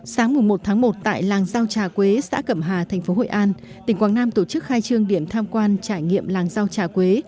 sáng một một tại làng giao trà quế xã cẩm hà tp hội an tỉnh quảng nam tổ chức khai trương điểm tham quan trải nghiệm làng giao trà quế